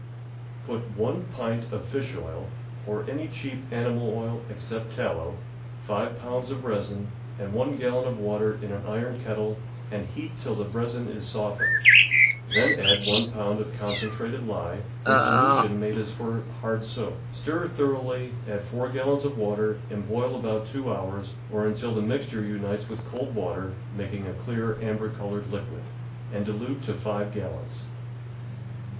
— Put 1 pint of fish oil, or any cheap animal oil except tallow, 5 pounds of resin, and 1 gallon of water in an iron kettle, and heat till the resin is softened, then add 1 pound of concentrated lye, in solution made as for hard soap; stir thoroughly, add 4 gallons of water, and boil about two hours, or until the mixture unites with cold water, making a clear amber coloured liquid, and dilute to 5 gallons.